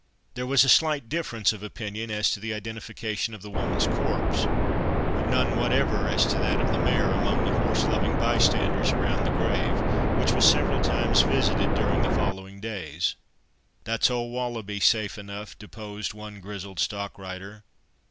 There was a slight difference of opinion as to the identification of the woman's corpse, but none whatever as to that of the mare, among the horse loving bystanders around the grave, which was several times visited during the following days. "That's old Wallaby, safe enough," deposed one grizzled stockrider.